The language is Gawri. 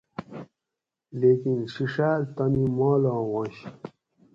لیکِن ڛِڛاۤل تانی مالاں واںش